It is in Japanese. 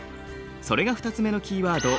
それが２つ目のキーワード